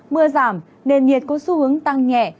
mưa giảm nên nhiệt có xu hướng tăng nhẹ